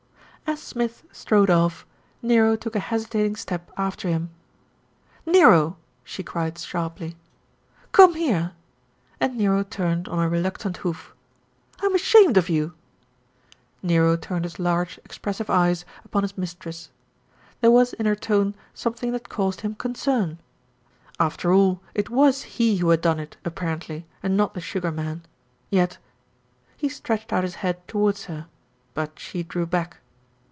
As Smith strode off, Nero took a hesitating step after him. "Nero !" she cried sharply. "Come here," and Nero turned on a reluctant hoof. "I'm ashamed of you !" Nero turned his large expressive eyes upon his mis tress. There was in her tone something that caused him concern. After all, it was he who had done it, apparently, and not the Sugar Man; yet He stretched out his head towards her, but she drew back.